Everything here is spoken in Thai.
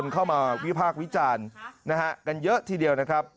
เข้ามาวิพากษ์วิจารณ์นะฮะกันเยอะทีเดียวนะครับ